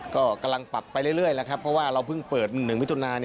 ก็กำลังปรับไปเรื่อยแล้วครับเพราะว่าเราเพิ่งเปิด๑มิถุนา